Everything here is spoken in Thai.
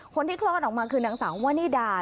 คนที่คลอดออกมาคือนางสาววนิดา